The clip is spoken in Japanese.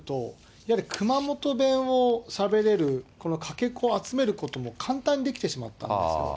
やはり熊本弁をしゃべれるこのかけ子を集めることも簡単にできてしまったんです。